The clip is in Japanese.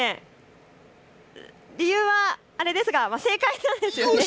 理由はあれですが、正解なんです。